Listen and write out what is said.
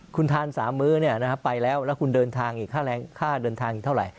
คุณทาน๓มื้อในหน้าคมไปแล้วแล้วคุณเดินทางค่าแรงดนทาอยู่เท่าไหร่